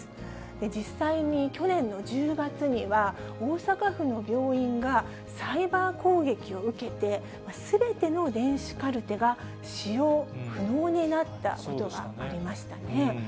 実際に去年の１０月には、大阪府の病院がサイバー攻撃を受けて、すべての電子カルテが使用不能になったことがありましたね。